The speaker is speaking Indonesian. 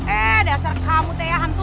eh dasar kamu tea hantu